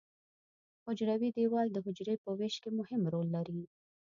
حجروي دیوال د حجرې په ویش کې مهم رول لري.